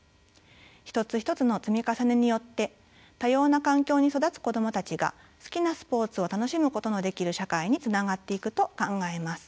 一つ一つの積み重ねによって多様な環境に育つ子どもたちが好きなスポーツを楽しむことのできる社会につながっていくと考えます。